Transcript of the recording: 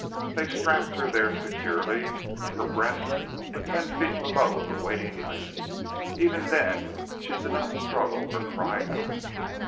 They strapped her there securely, her breast but ten feet below the waiting knife. Even then she did not struggle or cry out.